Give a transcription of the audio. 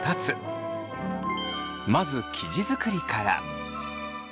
まず生地作りから。